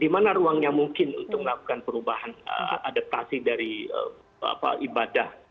di mana ruangnya mungkin untuk melakukan perubahan adaptasi dari ibadah